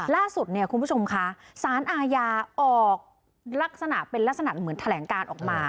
ล่าสุดเนี่ยคุณผู้ชมคะสารอาญาออกลักษณะเป็นลักษณะเหมือนแถลงการออกมา